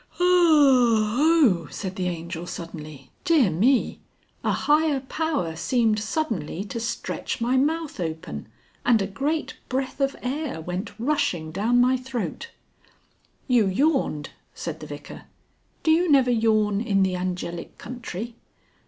"Yah oh!" said the Angel suddenly. "Dear me! A higher power seemed suddenly to stretch my mouth open and a great breath of air went rushing down my throat." "You yawned," said the Vicar. "Do you never yawn in the angelic country?"